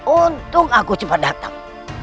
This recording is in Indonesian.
untuk aku cepat datang